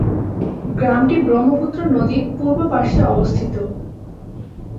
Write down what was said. গ্রামটি ব্রহ্মপুত্র নদীর পূর্ব পাশে অবস্থিত।